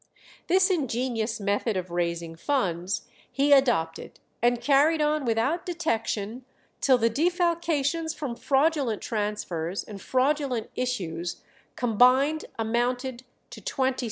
This ingenious method of raising funds he adopted and carried on without detection, till the defalcations from fraudulent transfers and fraudulent issues combined amounted to £27,000.